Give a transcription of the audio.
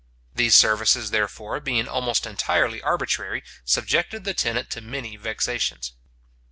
These services, therefore, being almost entirely arbitrary, subjected the tenant to many vexations.